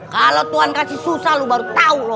kalau tuhan kasih susah lu baru tahu lo